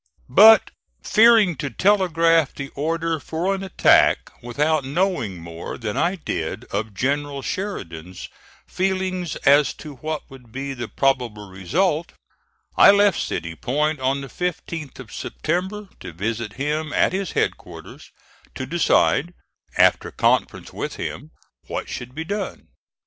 But fearing to telegraph the order for an attack without knowing more than I did of General Sheridan's feelings as to what would be the probable result, I left City Point on the 15th of September to visit him at his headquarters, to decide, after conference with him, what should be done.